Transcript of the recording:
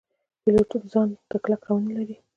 پیلوټ ځان ته کلک قوانین لري.